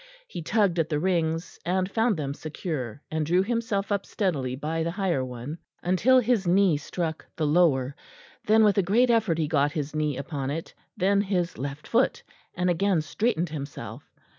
He tugged at the rings and found them secure, and drew himself up steadily by the higher one, until his knee struck the lower; then with a great effort he got his knee upon it, then his left foot, and again straightened himself.